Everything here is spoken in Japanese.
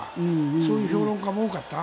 そういう評論家も多かった。